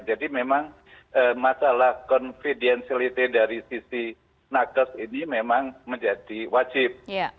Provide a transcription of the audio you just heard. jadi memang masalah confidentiality dari sisi nakas ini memang menjadi wajib